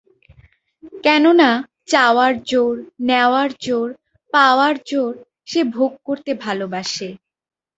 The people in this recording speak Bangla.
কেননা, চাওয়ার জোর, নেওয়ার জোর, পাওয়ার জোর সে ভোগ করতে ভালোবাসে।